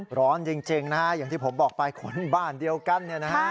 ร้อนจริงนะฮะอย่างที่ผมบอกไปคนบ้านเดียวกันเนี่ยนะฮะ